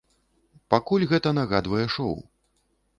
Пакуль гэта нагадвае шоў.